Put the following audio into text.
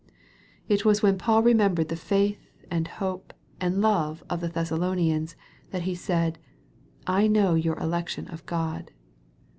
It was when Paul remembered the faith, and hope, and love of the Thessalonians, that he said, " I know your election of God."